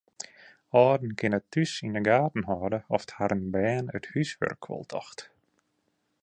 Alden kinne thús yn de gaten hâlde oft harren bern it húswurk wol docht.